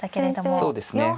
そうですね。